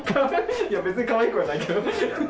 いや別にかわいくはないけど。